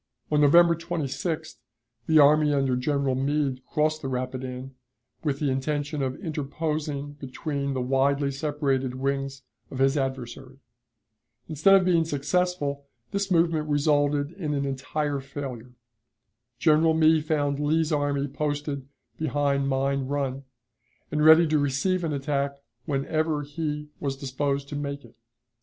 On November 26th the army under General Meade crossed the Rapidan, with the intention of interposing between the widely separated wings of his adversary. Instead of being successful, this movement resulted in an entire failure. General Meade found Lee's army posted behind Mine Run, and ready to receive an attack whenever he was disposed to make it.